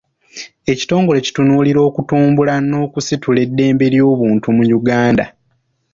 Ekitongole kitunuulira okutumbula n'okusitula eddembe ly'obantu mu Uganda.